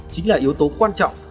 chính là yếu tố quan trọng